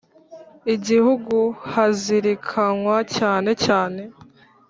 Igihugu hazirikanwa cyane cyane